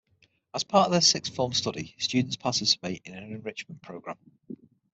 As part of their Sixth Form study, students participate in an Enrichment Programme.